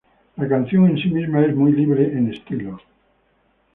La canción en sí misma es muy libre en estilo.